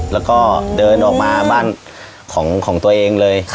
แล้วก็เดินออกมาบ้านของตัวเองเลย